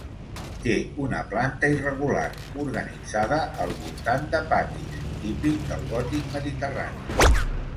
Té una planta irregular, organitzada al voltant de patis, típic del gòtic mediterrani.